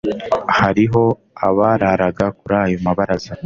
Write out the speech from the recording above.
Hariho abararaga kuri ayo mabaraza,